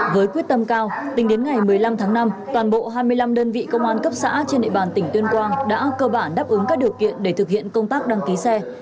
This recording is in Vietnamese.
với quyết tâm cao tính đến ngày một mươi năm tháng năm toàn bộ hai mươi năm đơn vị công an cấp xã trên địa bàn tỉnh tuyên quang đã cơ bản đáp ứng các điều kiện để thực hiện công tác đăng ký xe